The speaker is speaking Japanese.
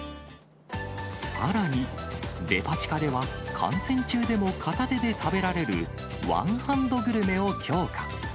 さらに、デパ地下では、観戦中でも片手で食べられる、ワンハンドグルメを強化。